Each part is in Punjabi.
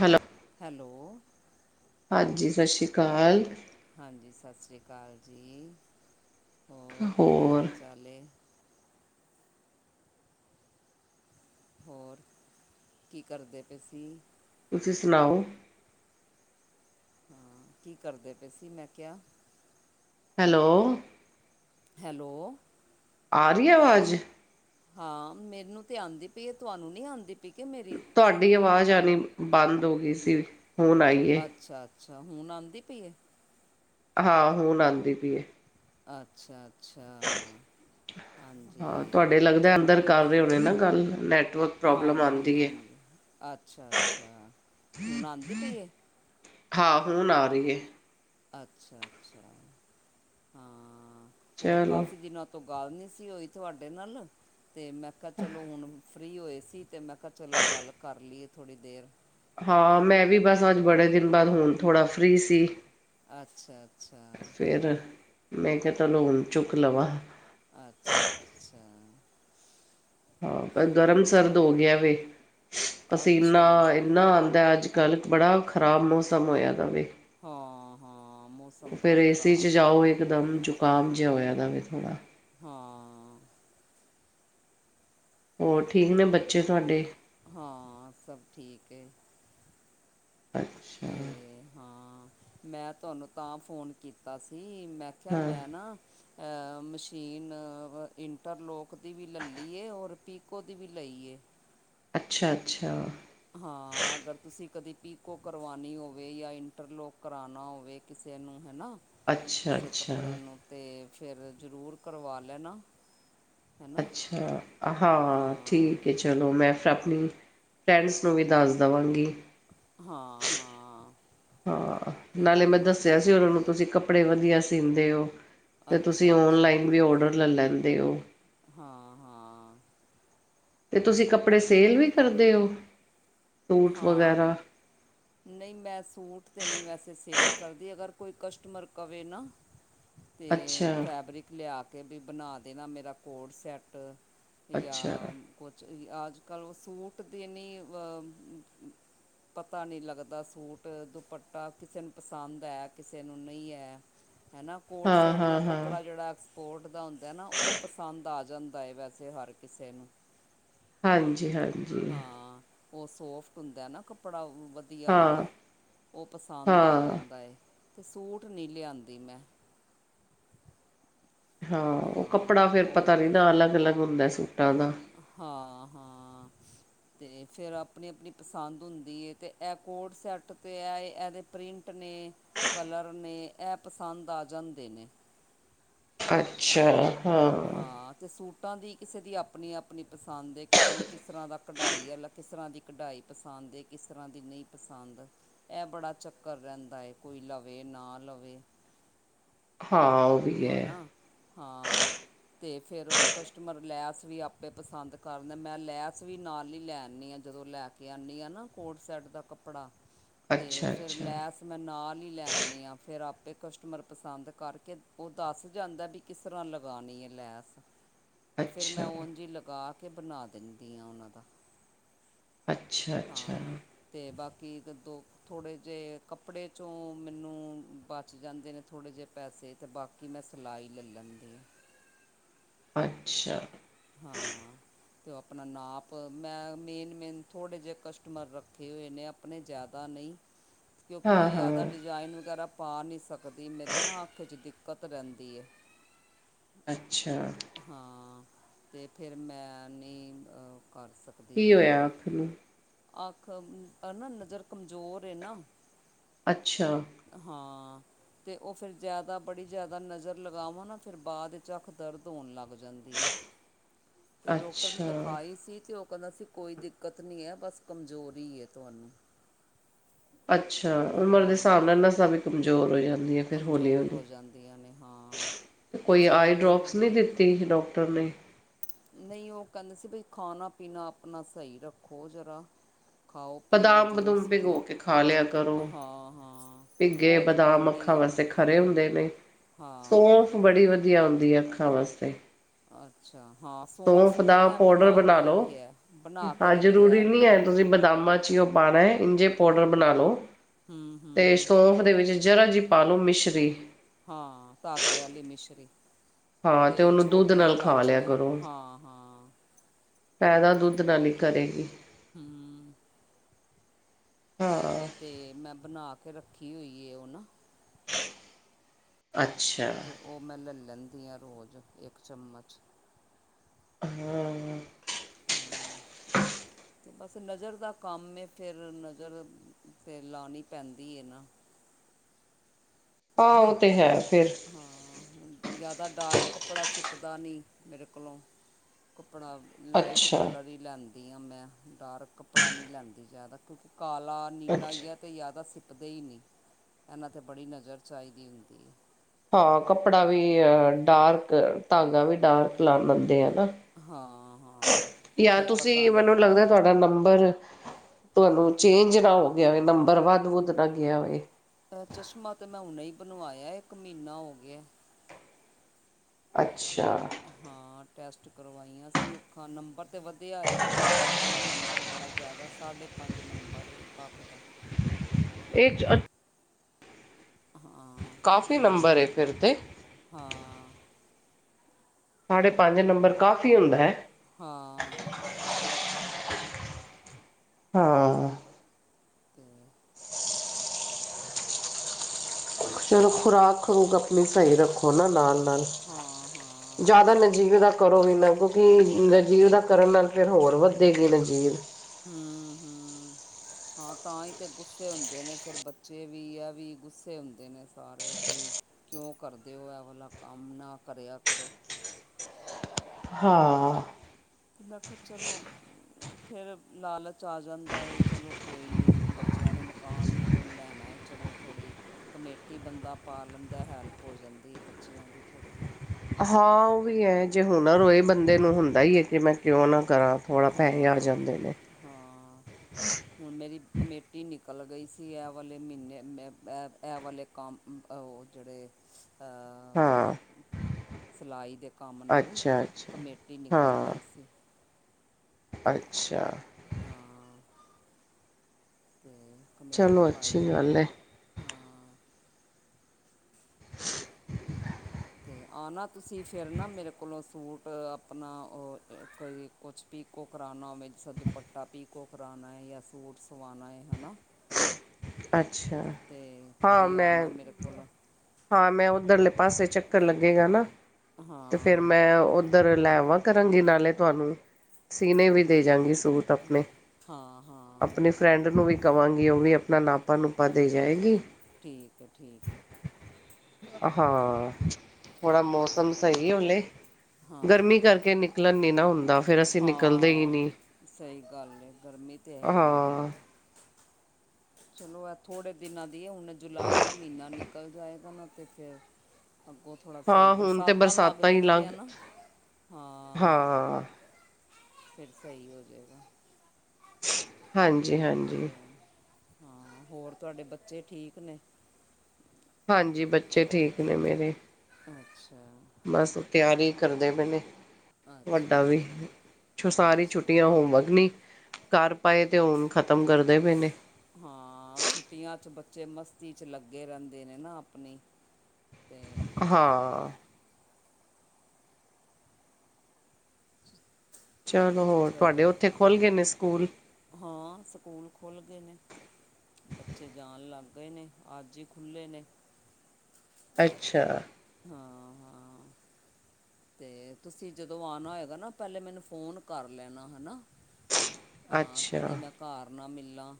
ਹੈਲੋ। ਹੈਲੋ। ਹਾਂਜੀ ਸਸ਼ੀ ਕਾਲ। ਹਾਂਜੀ ਸਾਸ਼ਰੀ ਕਾਲ ਜੀ, ਹੋਰ ਕੀ ਹਾਲ-ਚਾਲ ਏ? ਹੋਰ, ਕੀ ਕਰਦੇ ਪਏ ਸੀਂ? ਤੁਸੀਂ ਸੁਣਾਓ? ਹਾਂ, ਕੀ ਕਰਦੇ ਪਏ ਸੀ ਮੈਂ ਕਿਹਾ। ਹੈਲੋ। ਹੈਲੋ। ਆ ਰਹੀ ਆਵਾਜ਼? ਹਾਂ, ਮੈਨੂੰ ਤੇ ਆਂਦੀ ਪਈ ਐ, ਤੁਹਾਨੂੰ ਨੀ ਆਂਦੀ ਪਈ ਕੇ ਮੇਰੀ। ਤੁਹਾਡੀ ਆਵਾਜ਼ ਆਣੀ, ਬੰਦ ਹੋ ਗਈ ਸੀ। ਹੁਣ ਆਈ। ਅੱਛਾ-ਅੱਛਾ ਹੁਣ ਆਂਦੀ ਪਈ ਏ। ਹਾਂ, ਹੁਣ ਆਂਦੀ ਪਈਏ। ਅੱਛਾ-ਅੱਛਾ, ਹਾਂ ਹਾਂਜੀ, ਤੁਹਾਡੇ ਲੱਗਦਾ ਚਲੋ। [unintelligible] ਗੱਲ ਨੈਟਵਰਕ ਪ੍ਰੋਬਲਮ ਆਉਂਦੀ ਹੈ ਹਾਂਜੀ-ਹਾਂਜੀ, ਅੱਛਾ-ਅੱਛਾ ਹੁਣ ਆਂਦੀ ਪਈ ਏ। ਹਾਂ ਹੁਣ ਆ ਰਹੀ ਐ। ਅੱਛਾ-ਅੱਛਾ, ਹਾਂ, ਹੋਰ ਚਲੋ ਕਾਫੀ ਦਿਨਾਂ ਤੋਂ ਗੱਲ ਨੀ ਸੀ ਹੋਈ ਤੁਹਾਡੇ ਨਾਲ ਤੇ ਮੈਂ ਕਿਹਾ ਚਲੋ ਹੁਣ ਫ੍ਰੀ ਹੋਏ ਸੀ ਤੇ ਮੈਂ ਕਿਹਾ ਚਲੋ ਗੱਲ ਕਰ ਲਈਏ ਥੋੜ੍ਹੀ ਦੇਰ। ਹਾਂ ਮੈਂ ਵੀ ਬੱਸ ਅੱਜ ਬੜੇ ਦਿਨ ਬਾਅਦ ਹੁਣ ਥੋੜ੍ਹਾ ਫ੍ਰੀ ਸੀ। ਅੱਛਾ-ਅੱਛਾ। ਫਿਰ। ਮੈਂ ਕਿਹਾ ਤੁਹਾਨੂੰ ਹੁਣ ਚੁੱਕ ਲਵਾਂ। ਅੱਛਾ-ਅੱਛਾ। ਹਾਂ ਪਰ ਗਰਮ-ਸਰਦ ਗਿਆ ਵੇ, ਅੱਛਾ ਪਸੀਨਾ ਇੰਨਾ ਆਂਦਾ ਅੱਜ-ਕੱਲ੍ਹ ਕਿ ਬੜਾ ਖਰਾਬ ਮੌਸਮ ਹੋਇਆ ਵੇ। ਹਾਂ, ਹਾਂ ਮੌਸਮ ਫਿਰ ਬੜਾ ਏ ਸੀ 'ਚ ਖ਼ਰਾਬ। ਜਾਓ ਇਕਦਮ ਜ਼ੁਕਾਮ ਜਿਹਾ ਜਾ ਹੋ ਜਾਂਦਾ ਫੇਰ ਥੋੜ੍ਹਾ। ਹਾਂ। ਹੋਰ ਠੀਕ ਨੇ ਬ ਚਲੋ, ਹਾਂ ਸਭ ਠੀਕ ਏ। ਅੱਛਾ ਤੇ ਹਾਂ ਮੈਂ ਤੁਹਾਨੂੰ ਤਾਂ ਫੋਨ ਕੀਤਾ ਸੀ ਮੈਂ ਕਹਿ ਹਾਂ ਮੈਂ ਨਾ ਮਸ਼ੀਨ, ਇੰਟਰਲੋਕ ਦੀ ਵੀ ਲਲਈਏ, ਔਰ ਪੀਕੋ ਦੀ ਵੀ ਲਈਏ। ਅੱਛਾ-ਅੱਛਾ। ਹਾਂ ਅਗਰ ਤੁਸੀਂ ਕਦੀ ਪੀਕੋ ਕਰਵਾਉਣੀ ਹੋਵੇ ਜਾਂ ਇੰਟਰਲੋਕ ਕਰਵਾਉਣਾ ਹੋਵੇ। ਕਿਸੇ ਨੂੰ ਹੈ ਨਾ, ਅੱਛਾ ਕਿਸੇ ਅੱਛਾ ਕੱਪੜੇ ਨੂੰ ਤੇ ਫਿਰ ਜ਼ਰੂਰ ਕਰਵਾ ਲੈਣਾ। ਹੈ ਨਾ ਅੱਛਾ, ਹਾਂ, ਠੀਕ ਐ ਜੀ। ਚਲੋ ਮੈਂ [unintelligible] ਆਪਣੀ ਫਰੈਂਡਸ ਨੂੰ ਵੀ ਦੱਸ ਦੇਵਾਂਗੀ। ਹਾਂ-ਹਾਂ। ਹਾਂ, ਨਾਲੇ ਮੈਂ ਦੱਸਿਆ ਸੀ ਉਹਨਾਂ ਨੂੰ ਤੁਸੀਂ ਕੱਪੜੇ ਵਧੀਆ ਸੀਂਦੇ ਓ ਤੇ ਤੁਸੀਂ ਅੱਛਾ ਅੱਛਾ ਔਨਲਾਈਨ ਵੀ ਔਡਰ ਲੈ ਲੈਂਦੇ ਓ। ਹਾਂ-ਹਾਂ। ਅਤੇ ਤੁਸੀਂ ਕੱਪੜੇ ਸੇਲ ਵੀ ਕਰਦੇ ਓ [inaudible] ਹਾਂ [inaudible] ਨਹੀਂ ਮੈਂ ਸੂਟ ਤਾਂ ਨਹੀਂ ਵੈਸੇ ਸੇਲ ਕਰਦੀ ਅਗਰ ਕੋਈ ਕਸਟਮਰ ਕਵੇ ਨਾ ਤੇ ਅੱਛਾ ਫੈਬਰਿਕ ਲਿਆ ਕੇ, ਵੀ ਬਣਾ ਦੇਣਾ ਮੇਰਾ ਕੋਡ ਸੈੱਟ ਅੱਛਾ ਜਾਂ ਕੁਛ ਵੀ ਅੱਜ-ਕੱਲ੍ਹ ਸੂਟ ਦੀ ਇੰ ਐ। ਪਤਾ ਨਹੀਂ ਲੱਗਦਾ ਸੂਟ ਦੁਪੱਟਾ ਕਿਸੇ ਨੂੰ ਪਸੰਦ ਐ ਕਿਸੇ ਨੂੰ ਨਹੀਂ ਐ। ਹੈ ਨਾ। ਕੋਡ ਹਾਂ ਸੈੱਟ ਦਾ ਹਾਂ ਹਾਂ ਕੱਪੜਾ ਜਿਹੜਾ ਐਕਸਪੋਰਟ ਦਾ ਹੁੰਦਾ ਨਾ ਉਹ ਪਸੰਦ ਆ ਜਾਂਦਾ ਹੈ ਵੈਸੇ ਹਰ ਕਿਸੇ ਨੂੰ [inaudible] ਹਾਂਜੀ ਹਾਂਜੀ ਹਾਂ। ਉਹ ਸੋਫਟ ਹੁੰਦਾ ਨਾ ਕੱਪੜਾ ਵਧ ਵਧੀਆ ਹਾਂ ਵਾਲਾ, ਉਹ ਪਸੰਦ ਆ ਹਾਂ ਜਾਂਦਾ ਏ, ਤੇ ਸੂਟ ਨਹੀਂ ਲਿਆਂਦੀ ਮੈਂ ਹਾਂ, ਉਹ ਕੱਪੜਾ ਫਿਰ ਪਤਾ ਨੀ ਨਾ ਅਲੱਗ-ਅਲੱਗ ਹੁੰਦਾ ਸੂਟਾਂ ਦਾ ਹਾਂ-ਹਾਂ। ਤੇ ਫਿਰ ਆਪਣੀ-ਆਪਣੀ ਪਸੰਦ ਹੁੰਦੀ ਐ ਤੇ ਇਹ ਕੋਡ ਸੈੱਟ ਪਾਇਆਂ ਤੇ ਇਹਦੇ ਪ੍ਰਿੰਟ ਪਿ੍ੰਟ ਨੇ, ਕਲਰ ਨੇ, ਐ ਪਸੰਦ ਆ ਜਾਂਦੇ ਨੇ। ਅੱਛਾ। ਹਾਂ ਤੇ ਸੂਟਾਂ ਦੀ ਕਿਸੇ ਦੀ ਆਪਣੀ-ਆਪਣੀ ਪਸੰਦ ਐ ਕਿਸੇ ਨੂੰ ਕਿਸ ਤਰ੍ਹਾਂ ਦਾ ਕਢਾਈ ਆਲਾ ਕਿਸ ਤਰ੍ਹਾਂ ਦੀ ਕਢਾਈ ਪਸੰਦ ਏ, ਕਿਸ ਤਰ੍ਹਾਂ ਦੀ ਨਹੀਂ ਪਸੰਦ ਐਂ ਬੜਾ ਚੱਕਰ ਰਹਿੰਦਾ ਐ ਕੋਈ ਲਵੇ ਨਾ ਲਵੇ। ਹਾਂ। ਵੀ ਹੈ ਹਨਾਂ, ਹਾਂ। ਤੇ ਫਿਰ ਉਹ ਕਸਟਮਰ ਲੈਸ ਵੀ ਆਪੇ ਪਸੰਦ ਕਰਦੇ ਮੈਂ ਲੈਸ ਵੀ ਨਾਲ ਹੀ ਲੈ ਆਉਣੀ। ਜਦੋਂ ਲੈ ਕੇ ਆਣੀ ਆ ਨਾ ਕੋਡ ਸੈੱਟ ਦਾ ਕੱਪੜਾ ਤੇ ਅੱਛਾ ਫਿਰ ਅੱਛਾ ਲੈਸ ਮੈਂ ਨਾਲ ਹੀ ਲੈ ਆਉਣੀ ਆ ਫਿਰ ਆਪੇ ਕਸਟਮਰ ਪਸੰਦ ਕਰਕੇ ਉਹ ਦੱਸ ਜਾਂਦਾ ਵੀ ਕਿਸ ਤਰ੍ਹਾਂ ਲਗਾਉਣੀ ਐ ਲੈਸ, ਤੇ ਫਿਰ ਮੈਂ ਅੱਛਾ ਉਂਜ ਲਗਾ ਕੇ ਬਣਾ ਦਿੰਦੀ ਆ ਉਹਨਾਂ ਦਾ ਅੱਛਾ [inaudible] ਅੱਛਾ ਹਾਂ। ਤੇ ਬਾਕੀ ਇੱਕ-ਦੋ ਥੋੜ੍ਹੇ ਜਿਹੇ ਕੱਪੜੇ 'ਚੋਂ' ਮੈਨੂੰ ਬਚ ਜਾਂਦੇ ਨੇ ਥੋੜ੍ਹੇ ਜਿਹੇ ਪੈਸੇ ਤੇ ਬਾਕੀ ਮੈਂ ਸਿਲਾਈ ਲੈ ਲੈਂਦੀ। ਅੱਛਾ। ਹਾਂ। ਅਤੇ ਉਹ ਆਪਣਾ ਨਾਪ ਮੈਂ ਮੇਨ-ਮੇਨ ਥੋੜ੍ਹੇ ਜਿਹੇ ਕਸਟਮਰ ਰੱਖੇ ਹੋਏ ਨੇ ਆਪਣੇ ਜ਼ਿਆਦਾ ਨਹੀਂ [inaudible] ਕਿਉਂਕਿ ਹਾਂ ਮੈਂ ਜ਼ਿਆਦਾ ਹਾਂ ਡਿਜ਼ਾਇਨ ਵਗੈਰਾ ਪਾ ਨਹੀਂ ਸਕਦੀ ਮੇਰੀ ਨਾ ਅੱਖ 'ਚ' ਦਿੱਕਤ ਰਹਿੰਦੀ ਐ। ਅੱਛਾ। ਹਾਂ, ਤੇ ਫਿਰ ਮੈਂ ਨਹੀਂ ਕਰ ਸਕ ਕੀ ਹੋਇਆ ਅੱਖ ਨੂੰ? ਅੱਖ, ਹਨਾ, ਨਜ਼ਰ ਕਮਜ਼ੋਰ ਐ ਨਾ ਅੱਛਾ। ਹਾਂ ਤੇ ਉਹ ਫਿਰ ਜ਼ਿਆਦਾ ਬੜੀ ਜਿਆਦਾ ਨਜ਼ਰ ਲਗਾਵਾਂ ਨਾ ਫਿਰ ਬਾਅਦ ਵਿੱਚ ਅੱਖ ਦਰਦ ਹੋਣ ਲੱਗ ਜਾਂਦੀ ਏ, ਤੇ ਡੋਕਟਰ ਨੂੰ ਅੱਛਾ ਦਿਖਾਈ ਸੀ ਤੇ ਉਹ ਕਹਿੰਦਾ ਸੀ ਕੋਈ ਦਿੱਕਤ ਨਹੀਂ ਐ ਬੱਸ ਕਮਜ਼ੋਰੀ ਐ ਤੁਹਾਨੂੰ। ਅੱਛਾ, ਉਮਰ ਦੇ ਹਾਂ ਹਿਸਾਬ ਨਾਲ ਨਸਾਂ ਵੀ ਕਮਜ਼ੋਰ ਹੋ ਜਾਂਦੀਆਂ। ਫਿਰ ਹੌਲੀ ਕਮਜ਼ੋਰ ਹੌਲੀ ਹੋ ਜਾਂਦੀਆਂ ਨੇ ਹਾਂ। ਅਤੇ ਕੋਈ ਫਿਰ ਉਹ ਆਈ ਦਿਲ ਡਰੋਪਸ ਨਹੀਂ ਦਿੱਤੀ ਡੋਕਟਰ ਨੇ? ਨਹੀਂ ਉਹ ਕਹਿੰਦੇ ਸੀ ਬਈ ਖਾਣਾ-ਪੀਣਾ ਆਪਣਾ ਸਹੀ ਰੱਖੋ ਜਰਾ। ਖਾਓ-ਪੀਓ ਬਦਾਮ ਬਦੂਮ ਜੂਸ ਪੀ, ਭਿਗੋ ਕੇ ਖਾ ਲਿਆ ਕਰੋ ਹਾਂ-ਹਾਂ ਭਿੱਗੇ ਉਹ ਤੇ ਬਦਾਮ ਖਾਂਦੇ ਅੱਖਾਂ ਵਾਸਤੇ ਖਰੇ ਹੁੰਦੇ ਨੇ, ਹਾਂ ਸੌਂਫ ਬੜੀ ਵਧੀਆ ਹੁੰਦੀ ਐ ਅੱਖਾਂ ਵਾਸਤੇ। ਅੱਛਾ ਹਾਂ ਸੌਂਫ ਸੋਫ ਦਾ ਮੈਂ ਪਾਊਡਰ ਬਣਾ ਕੇ ਲੋ, ਰੱਖਿਆ ਬਣਾ ਕੇ ਹਾਂ ਰੱਖਿਆ ਜਰੂਰੀ ਨੀ ਏ। ਤੁਸੀਂ ਬਦਾਮਾਂ 'ਚ' ਹੀ ਉਹ ਪਾਉਣਾ ਹੈ ਇੰਜੇ ਪਾਊਡਰ ਬਣਾ ਲਓ, ਹੂੰ ਤੇ ਹੂੰ ਸੌਂਫ ਦੇ ਵਿੱਚ ਜਰਾ ਜੀ ਪਾਲੋ ਮਿਸ਼ਰੀ। ਹਾਂ, ਧਾਗੇ ਆਲੀ ਮਿਸ਼ਰੀ। ਹਾਂ ਤੇ ਉਹਨੂੰ ਦੁੱਧ ਛੋਟੀਆਂ ਨਾਲ ਖਾ ਲਿਆ ਲਾਚੀਆਂ ਹਾਂ-ਹਾਂ। ਤਾਜ਼ਾ ਦੁੱਧ ਲੈ ਲਈ ਘਰੇ। ਹਮ। ਹਾਂ। ਤੇ ਮੈਂ ਬਣਾ ਕੇ ਰੱਖੀ ਹੋਈ ਐ ਹੁਣ ਅੱਛਾ। ਤੇ ਉਹ ਮੈਂ ਲੈ ਲੈਂਦੀ ਹਾਂ ਰੋਜ਼, ਇੱਕ ਚਮਚ। ਹਾਂ। ਹਮ। ਬੱਸ ਨਜ਼ਰ ਦਾ ਕੰਮ ਐ ਫਿਰ ਨਜ਼ਰ ਫਿਰ ਲਾਣੀ ਪੈਂਦੀ ਐ ਨਾ। ਹਾਂ ਉਹ ਤੇ ਹੈ ਫਿਰ। ਹਮ, ਜ਼ਿਆਦਾ ਡਾਰਕ ਕੱਪੜਾ ਸਿੱਪਦਾ ਨਹੀਂ ਮੇਰੇ ਕੋਲੋਂ। ਕੱਪੜਾ। ਲਾਈਟ ਅੱਛਾ ਕਲਰ ਹੀ ਲੈਂਦੀ ਹਾਂ ਮੈਂ ਡਾਰਕ ਕੱਪੜਾ ਨਹੀਂ ਲੈਂਦੀ ਜ਼ਿਆਦਾ ਕਿਉਂਕਿ ਕਾਲਾ ਨੀਲਾ ਹੀ ਅੱਛਾ ਹੈ ਤੇ ਜ਼ਿਆਦਾ ਸਿਪਦੇ ਹੀ ਨੀ ਇਹਨਾਂ ਤੇ ਬੜੀ ਨਜ਼ਰ ਚਾਹੀਦੀ ਹੁੰਦੀ ਹੈ ਹਾਂ ਕੱਪੜਾ ਵੀ ਡਾਰਕ ਧਾਗਾ ਵੀ ਡਾਰਕ ਲਾ ਦੈਂਦੇ ਆ ਨਾ। ਹਾਂ ਹਾਂ ਯਰ, ਫਿਰ ਪਤਾ ਤੁਸੀਂ ਨਹੀਂ ਮੈਨੂੰ ਲੱਗਦਾ ਤੁਹਾਡਾ ਨੰਬਰ। ਤੁਹਾਨੂੰ ਚੇਂਜ ਨਾ ਹੋ ਗਿਆ ਹੋਵੇ ਨੰਬਰ ਵੱਧ - ਵੁੱਧ ਨਾ ਗਿਆ ਹੋਵੇ। ਚਸ਼ਮਾ ਤੇ ਮੈਂ ਹੁਣੇ ਹੀ ਬਣਵਾਇਆ ਇਕ ਮਹੀਨਾ ਹੋ ਗਿਆ। ਅੱਛਾ। ਹਾਂ ਟੈਸਟ ਕਰਵਾਈਆਂ ਸੀਂ ਅੱਖਾਂ ਨੰਬਰ ਤੇ ਵਧੀਆ ਆਏ ਆ ਡਾਕਟਰ ਕਹਿੰਦਾ ਨੰਬਰ ਪਰ ਬੜਾ ਜ਼ਿਆਦਾ ਸਾਢੇ ਪੰਜ ਨੰਬਰ ਇਹ ਇੱਕ ਅੱਖ ਦਾ। ਇਹ [unintelligible] ਹਾਂ। ਕਾਫੀ ਨੰਬਰ ਏ ਫਿਰ ਤੇ ਹਾਂ। ਸਾਢੇ ਪੰਜ ਨੰਬਰ ਕਾਫ਼ੀ ਹੁੰਦਾ ਹੈ? ਹਾਂ। ਹਾਂ। [inaudible] ਚਲੋ ਖੁਰਾਕ- ਖਰੂਕ ਆਪਣੀ ਸਹੀ ਰੱਖੋ। ਉਹਨਾਂ ਨਾਲ- ਨਾਲ ਹਾਂ ਹਾਂ ਜ਼ਿਆਦਾ ਨਜ਼ਦੀਕ ਦਾ ਕਰੋ ਵੀ ਨਾ ਕਿਉਂਕਿ ਨਜੀਵ ਦਾ ਕਰਨ ਨਾਲ ਫਿਰ ਹੋਰ ਵੱਧੇਗੀ ਨਜੀਵ ਹਮ-ਹਮ ਤਾਂ ਹੀ ਤੇ ਗੁੱਸੇ ਹੁੰਦੇ ਨੇ ਫਿਰ ਬੱਚੇ ਵੀ ਆ ਵੀ ਗੁੱਸੇ ਹੁੰਦੇ ਨੇ ਸਾਰੇ ਲਈ ਕਿਉਂ ਕਰਦੇ ਹੋ ਐ ਵਾਲਾ ਕੰਮ ਨਾ ਕਰਿਆ ਕਰੋ। ਹਾਂ। ਬਾਕੀ ਚਲੋ। ਫਿਰ ਲਾਲਚ ਆ ਜਾਂਦਾ ਚਲੋ ਕੋਈ ਨਹੀਂ ਬੱਚਿਆਂ ਨੇ ਮਕਾਨ ਮੁ ਮਕੂਨ ਲੈਣਾ ਏ ਚਲੋ ਥੋੜ੍ਹੀ ਕਮੇਟੀ ਬੰਦਾ ਪਾ ਲੈਦਾ ਹੈਲਪ ਹੋ ਜਾਂਦੀ ਹੈ ਬੱਚਿਆਂ ਦੀ ਥੋੜ੍ਹੀ ਹਾਂ ਉਹ ਵੀ ਹੈ ਜੇ ਹੁਨਰ ਹੋਏ ਬੰਦੇ ਨੂੰ ਹੁੰਦਾ ਹੀ ਹੈ ਕਿ ਮੈ ਕਿਉ ਨਾ ਕਰਾਂ ਥੋੜ੍ਹਾ ਪੈਸੇ ਆ ਹਾਂ ਜਾਂਦੇ ਨੇ ਹਾਂ ਹੁਣ ਮੇਰੀ ਕਮੇਟੀ ਨਿਕਲ ਗਈ ਸੀ ਇਹ ਵਾਲੇ ਮਹੀਨੇ ਮੈਂ ਇਹ ਵਾਲੇ ਕਮ ਉਹ ਜਿਹੜੇ ਆ ਹਾਂ ਸਿਲਾਈ ਦੇ ਕੰਮ ਨਾਲ ਅੱਛਾ ਅੱਛਾ ਕਮੇਟੀ ਨਿਕਲ ਹਾਂ ਗਈ ਸੀ। ਅੱਛਾ। ਹਾਂ ਤੇ ਕਮੇਟੀ ਚਲੋ ਪਾਈ ਅੱਛੀ ਹੋਈਏ ਗੱਲ ਹੈ ਹਾਂ। ਅਤੇ ਆ ਨਾ ਤੁਸੀਂ ਫਿਰ ਨਾ ਮੇਰੇ ਕੋਲੋਂ ਸੂਟ ਆਪਣਾ ਉਹ ਕੋਈ ਕੁੱਛ ਪੀਕੋੋ ਕਰਾਉਣਾ ਹੋਵੇ ਜਿੱਸ ਦੁਪੱਟਾ ਪੀ ਕੋੋ ਕਰਾਉਣਾ ਹੈ ਜਾਂ ਸੂਟ ਸਵਾਉਣਾ ਹੈ ਹੈ ਨਾ ਅੱਛਾ। ਅਤੇ ਹਾਂ ਕਦੇ ਆ ਮੈਂ ਨਾ ਮੇਰੇ ਕੋਲ ਹਾਂ ਮੈਂ ਉੱਧਰਲੇ ਪਾਸੇ ਚੱਕਰ ਲੱਗੇਗਾ ਨਾ ਤੇ ਫੇਰ ਹਾਂ ਮੈਂ ਉ ਉੱਧਰ ਲੈਵਾਂ ਕਰਾਂਗੀ ਨਾਲੇ ਤੁਹਾਨੂੰ ਸੀਨੇ ਵੀ ਦੇ ਜਾਂਗੀ ਸੂਟ ਆਪਣੇ, ਹਾਂ ਹਾਂ ਆਪਣੀ ਫਰੈਂਡ ਨੂੰ ਵੀ ਕਵਾਂਗੀ ਉਹ ਵੀ ਆਪਣਾ ਨਾਪਾ ਨੂਪਾ ਦੇ ਜਾਏਗੀ। ਠੀਕ ਹੈ- ਠੀਕ ਹੈ। ਹਾਂ, ਥੋੜਾ ਮੌਸਮ ਸਹੀ ਓਨੇ। ਹਾਂ, ਫੇਰ ਅਸੀਂ ਨਿਕਲਦੇ ਹੀ ਹਾਂ, ਨਹੀਂ ਸਹੀ ਗੱਲ ਹੈ ਗਰਮੀ। ਤੇ ਇਹੀ ਹੈਗੀ ਹਾਂ ਬਹੁਤ ਚਲੋ ਹੈ ਥੋੜ੍ਹੇ ਦਿਨਾਂ ਦੀ ਹੈ ਹੁਣ ਜੁਲਾਈ ਦਾ ਮਹੀਨਾ ਨਿਕਲ ਜਾਏਗਾ ਨਾ ਅਤੇ ਫਿਰ ਅੱਗੋਂ ਥੋੜ੍ਹਾ ਸਹੀ ਹਾਂ ਹੁਣ ਤੇ ਬਰਸਾਤਾਂ ਲੱਗ ਹੀ ਲੰਘ ਜਾਣਗੀਆਂ ਨਾ, ਹਾਂ। ਹਾਂ। ਫਿਰ ਸਹੀ ਹੋ ਜਾਏਗਾ। ਹਾਂਜੀ-ਹਾਂਜੀ। ਅ ਹਾਂ ਹੋਰ ਤੁਹਾਡੇ ਬੱਚੇ ਠੀਕ ਨੇ? ਹਾਂਜੀ ਬੱਚੇ ਠੀਕ ਨੇ ਮੇਰੇ। ਅੱਛਾ। ਬਸ ਤਿਆਰੀ ਕਰਦੇ ਪਏ ਨੇ। ਤੁਹਾਡਾ ਅੱਛਾ ਵੀ ਅੱਛਾ ਸਾਰੀ ਅੱਛਾ ਛੁੱਟੀਆਂ ਹੋਮਵਰਕ ਨੀ ਕਰ ਪਾਏ ਤੇ ਹੁਨ ਖ਼ਤਮ ਕਰਦੇ ਪਏ ਨੇ। ਹਾਂ ਛੁੱਟੀਆਂ 'ਚ ਬੱਚੇ ਮਸਤੀ ਚ ਲੱਗੇ ਰਹਿੰਦੇ ਨੇ ਨਾ ਆਪਣੀ। ਤੇ ਹਾਂ। ਚਲੋ, ਹੋਰ ਤੁਹਾਡੇ ਚਲੋ ਉੱਥੇ ਖੁੱਲ੍ਹ ਗਏ ਹਾਂ- ਨੇ ਸਕੂਲ। ਹਾਂ ਸਕੂਲ ਖੁੱਲ੍ਹ ਗਏ ਨੇ। ਬੱਚੇ ਜਾਣ ਲੱਗ ਗਏ ਨੇ ਅੱਜ ਹੀ ਖੁੱਲ੍ਹੇ ਨੇ। ਅੱਛਾ। ਹਾਂ-ਹਾਂ। ਤੇ ਤੁਸੀਂ ਜਦੋਂ ਆਉਣਾ ਹੋਏਗਾ ਨਾ ਪਹਿਲੇ ਮੈਨੂੰ ਫੋਨ ਕਰ ਲੈਣਾ ਹਨਾ। ਹਾਂ ਕਦੀ ਅੱਛਾ ਮੈਂ ਘਰ ਨਾ ਮਿਲਾ।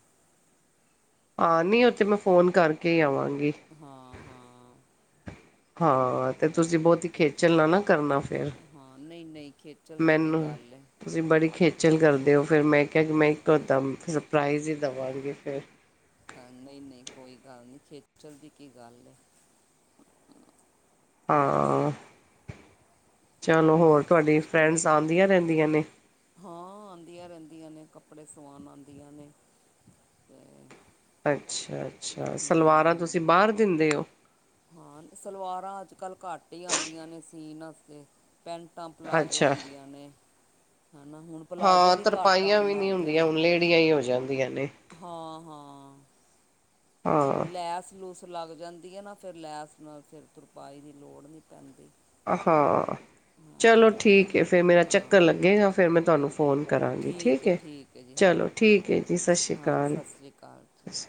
ਹਾਂ ਨਹੀ ਉਥੇ ਮੈਂ ਫ਼ੋਨ ਕਰਕੇ ਆਵਾਂਗੀ। ਹਾਂ-ਹਾਂ। ਹਾਂ ਤੇ ਤੁਸੀਂ ਬਹੁਤ ਤੇ- ਖੇਚਲਣਾ ਨਾ ਕਰਨਾ ਫਿਰ, ਹਾਂ ਨਹੀਂ ਨਹੀਂ ਖੇਚਲ ਦੀ ਕੀ ਮੈਨੂੰ। ਗੱਲ ਹੈ ਤੁਸੀਂ ਬੜੀ ਖੇਚਲ ਕਰਦੇ ਹੋ ਫਿਰ। ਮੈਂ ਕਿਹਾ ਕਿ ਮੈਂ ਇੱਕੋ ਦਮ ਸਰਪਰਾਈਜ਼ ਹੀ ਦੇਵਾਂਗੀ ਫਿਰ। ਹਾਂ, ਨਹੀਂ ਨਹੀਂ। ਕੋਈ ਗੱਲ ਨਹੀਂ ਖੇਚਲ ਦੀ ਕੀ ਗੱਲ ਏ। ਹਾਂ, ਚਲੋ ਹੋਰ ਤੁਹਾਡੀ ਚਲੋ ਫਰੈਂਡਸ ਆਦੀਆਂ ਰਹਿੰਦੀਆਂ ਨੇ। ਹਾਂ ਆਂਦੀਆਂ ਰਹਿੰਦੀਆਂ ਨੇ ਕੱਪੜੇ ਸਵਾਉਣ ਆਂਦੀਆਂ ਨੇ ਤੇ ਅੱਛਾ- ਅੱਛਾ। ਹੂੰ ਸਲਵਾਰਾਂ ਤੁਸੀਂ ਹੂੰ ਬਾਹਰ ਦਿੰਦੇ ਹੋ? ਹਾਂ। ਸਲਵਾਰਾਂ ਅੱਜ-ਕੱਲ੍ਹ ਘੱਟ ਹੀ ਆਦੀਆਂ ਨੇ ਸੀਨ ਵਾਸਤੇ। ਪੈਟਾਂ-ਪਲਾਜ਼ੋ ਅੱਛਾ ਹੁੰਦੀਆਂ ਨੇ। ਹਨਾ। ਹੁਣ ਪਲਾਜ਼ੋ ਹਾਂ ਵੀ ਘੱਟ ਤਰਪਾਈਆਂ ਆਣ ਵੀ ਨਹੀਂ ਲੱਗ ਗਏ ਨੇ। ਹੁੰਦੀਆਂ ਹੁਣ ਲੇਡੀਆਂ ਹੀ ਹੋ ਜਾਂਦੀਆਂ ਨੇ ਹਾਂ- ਹਾਂ। ਸਭ ਹਾਂ ਲੈਸ-ਲੂਸ ਲੱਗ ਜਾਂਦੀ ਨਾ ਫਿਰ ਲੈਸ ਨਾਲ ਫਿਰ ਤੁਰਪਾਈ ਲੋੜ ਨਹੀਂ ਪੈਂਦੀ। ਹਾਂ, ਚਲੋ ਹਾਂ ਠੀਕ ਏ ਫਿਰ ਮੇਰਾ ਚੱਕਰ ਹਾਂ ਲੱਗੇਗਾ। ਫਿਰ ਮੈਂ ਤੁਹਾਨੂੰ, ਫੋਨ ਕਰਾਂਗੀ ਠੀਕ ਹੈ ਏ। ਹੈ ਜੀ ਚਲੋ ਹਾਂ ਠੀਕ ਹੈ ਜੀ। ਸਤਿ ਸ੍ਰੀ ਹਾਂ ਆਕਾਲ। ਸਤਿ ਸ਼੍ਰੀ ਅਕਾਲ ਜੀ